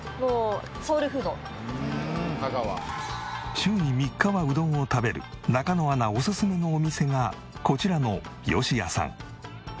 週に３日はうどんを食べる中野アナおすすめのお店がこちらのよしやさん。